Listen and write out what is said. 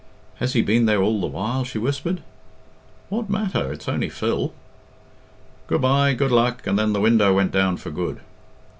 "Has he been there all the while?" she whispered. "What matter? It's only Phil." "Good bye! Good luck!" and then the window went down for good.